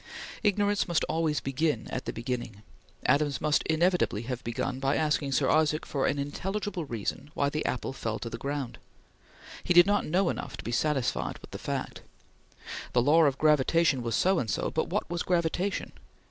Ignorance must always begin at the beginning. Adams must inevitably have begun by asking Sir Isaac for an intelligible reason why the apple fell to the ground. He did not know enough to be satisfied with the fact. The Law of Gravitation was so and so, but what was Gravitation?